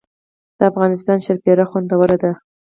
د افغانستان شیرپیره خوندوره ده